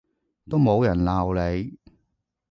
都冇人鬧你